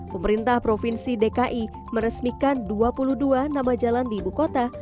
pemerintah provinsi dki meresmikan dua puluh dua nama jalan di ibu kota